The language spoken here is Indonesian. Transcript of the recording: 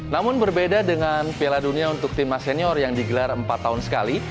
namun berbeda dengan piala dunia untuk timnas senior yang digelar empat tahun sekali